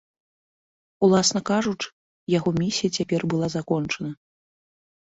Уласна кажучы, яго місія цяпер была закончана.